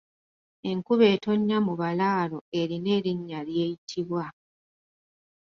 Enkuba etonnya mu balaalo erina erinnya ly’eyitibwa.